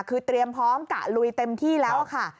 คือเตรียมพร้อมกะลุยเต็มที่แล้วค่ะ